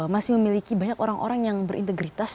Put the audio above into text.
masih memiliki banyak orang orang yang berintegritas